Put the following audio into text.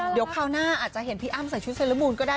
เดี๋ยวคราวหน้าอาจจะเห็นพี่อ้ำใส่ชุดเซลมูลก็ได้